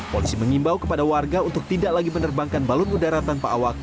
polisi mengimbau kepada warga untuk tidak lagi menerbangkan balon udara tanpa awak